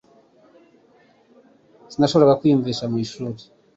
Sinashoboraga kwiyumvisha mu ishuri